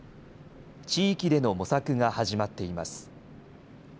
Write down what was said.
地域での模索が始まっています。